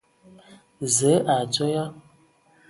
Zǝə, o adzo ya ?